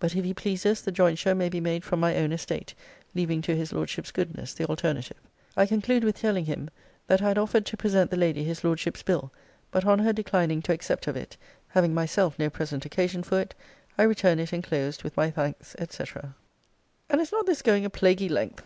'But, if he pleases, the jointure may be made from my own estate; leaving to his Lordship's goodness the alternative.' I conclude with telling him, 'that I had offered to present the Lady his Lordship's bill; but on her declining to accept of it (having myself no present occasion for it) I return it enclosed, with my thanks, &c.' And is not this going a plaguy length?